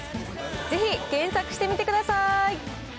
ぜひ、検索してみてください。